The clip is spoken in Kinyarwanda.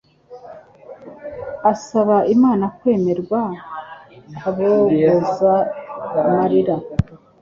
asaba Imana kwemerwa abogoza amarira.